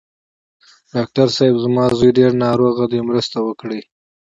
ډاکټر صېب! زما زوی ډېر ناروغ دی، مرسته وکړئ.